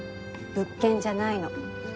物件じゃないの。